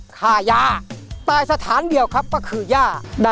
เพลงนี้อยู่ในอาราบัมชุดแรกของคุณแจ็คเลยนะครับ